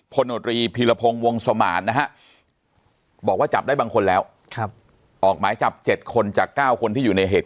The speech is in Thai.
ปนโดดรีภีรพงศ์วงศ์สวมารนะครับบอกว่าจับได้บางคนแล้วครับออกไม้จับเจ็ดคนจาก๙คนที่อยู่ในเหตุ